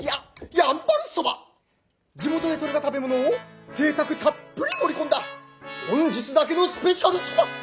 地元で取れた食べ物をぜいたくたっぷり盛り込んだ本日だけのスペシャルそば！